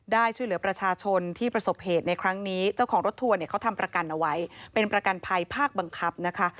ช่วยเหลือประชาชนที่ประสบเหตุในครั้งนี้เจ้าของรถทัวร์เนี่ยเขาทำประกันเอาไว้เป็นประกันภัยภาคบังคับนะคะ